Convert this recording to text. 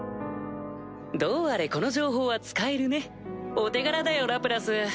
どうあれこの情報は使えるねお手柄だよラプラス！